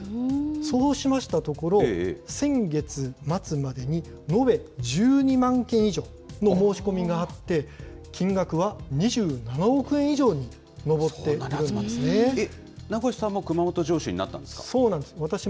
そうしましたところ、先月末までに、延べ１２万件以上の申し込みがあって、金額は２７億円以上に名越さんも熊本城主になったそうなんです。